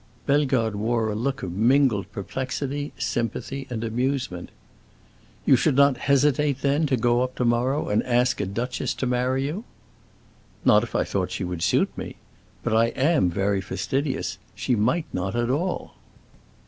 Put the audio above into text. Bellegarde wore a look of mingled perplexity, sympathy, and amusement. "You should not hesitate, then, to go up to morrow and ask a duchess to marry you?" "Not if I thought she would suit me. But I am very fastidious; she might not at all."